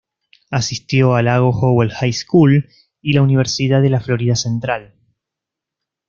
Asistió a Lago Howell High School y la Universidad de la Florida Central.